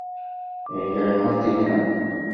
এই, গায়ে হাত দিবি না।